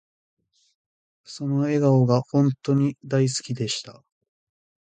その笑顔が本とに大好きでした